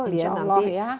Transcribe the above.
insya allah ya